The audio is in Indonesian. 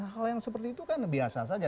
hal yang seperti itu kan biasa saja